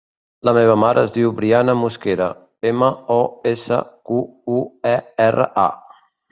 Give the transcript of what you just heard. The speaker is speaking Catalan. La meva mare es diu Briana Mosquera: ema, o, essa, cu, u, e, erra, a.